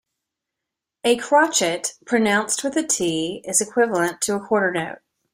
A crotchet, pronounced with the t, is equivalent to a quarter note